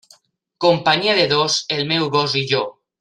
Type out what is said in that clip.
Companyia de dos, el meu gos i jo.